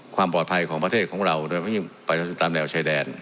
ความปลอดภัยของประเทศของเราตามแนวชายแดน